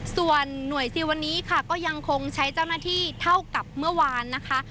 ส่วนหน่วยซิลวันนี้ค่ะก็ยังคงใช้เจ้าหน้าที่เท่ากับเมื่อวานนะคะ